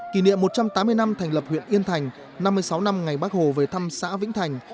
kỷ niệm một trăm tám mươi năm thành lập huyện yên thành năm mươi sáu năm ngày bác hồ về thăm xã vĩnh thành